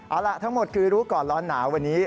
เอาล่ะทั้งหมดคือรู้ก่อนร้อนหนาวันนี้